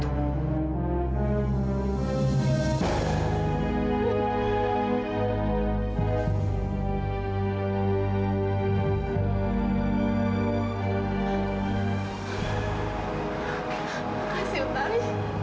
terima kasih otari